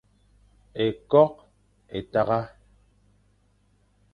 Ékôkh é tagha.